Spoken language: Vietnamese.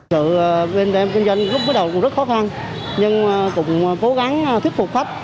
sự bên đêm kinh doanh lúc bắt đầu cũng rất khó khăn nhưng cũng cố gắng thuyết phục khách